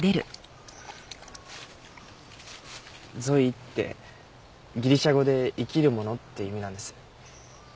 「ゾイ」ってギリシャ語で「生きるもの」って意味なんです。